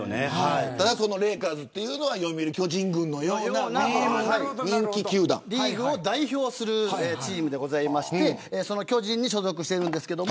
レイカーズは読売巨人軍のようなリーグを代表するチームでしてその巨人に所属してるんですけど。